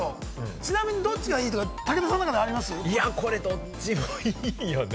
ちなみにどっちがいいとか、武田さんの中であります？これどっちもいいよね。